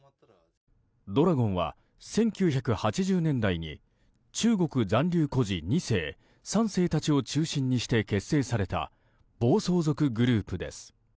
怒羅権は、１９８０年代に中国残留孤児２世、３世たちを中心にして結成された暴走族グループです。